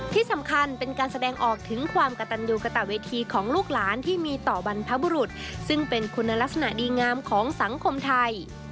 ที่สำคัญเป็นการแสดงออกถึงความกระตันยูกระตะเวทีของลูกหลานที่มีต่อบรรพบุรุษซึ่งเป็นคุณลักษณะดีงามของสังคมไทย